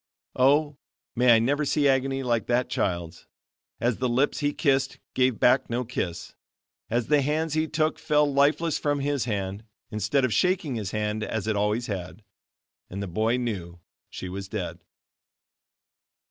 Oh! may I never see agony like that child's, as the lips he kissed gave back no kiss, as the hands he took fell lifeless from his hand, instead of shaking his hand as it always had, and the boy knew she was dead.